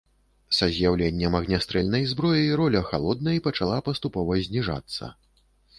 Са з'яўленнем агнястрэльнай зброі роля халоднай пачала паступова зніжацца.